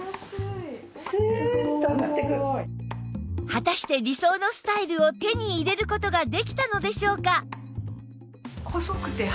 果たして理想のスタイルを手に入れる事ができたのでしょうか？